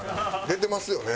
出てますよね？